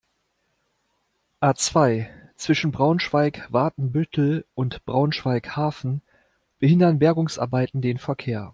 A-zwei, zwischen Braunschweig-Watenbüttel und Braunschweig-Hafen behindern Bergungsarbeiten den Verkehr.